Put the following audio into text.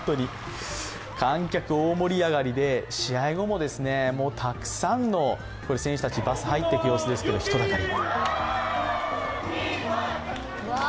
観客大盛り上がりで試合後もたくさんの、選手たち、バスに入っていく様子ですけど、人だかり。